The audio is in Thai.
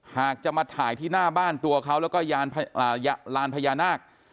หากจะมาถ่ายที่หน้าบ้านตัวเขาแล้วก็ลานพญานาค